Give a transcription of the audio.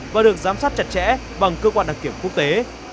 và được giám sát chặt chẽ bằng cơ quan đặc kiểm quốc tế